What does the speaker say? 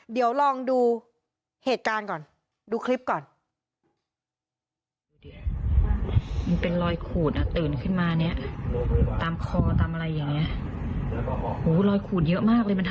เดี๋ยวลองดูเหตุการณ์ก่อนดูคลิปก่อน